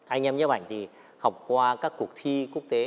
anh em nhiếp ảnh thì học qua các cuộc thi quốc tế